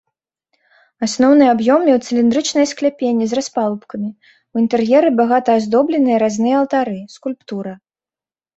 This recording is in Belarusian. Асноўны аб'ём меў цыліндрычнае скляпенне з распалубкамі, у інтэр'еры багата аздобленыя разныя алтары, скульптура.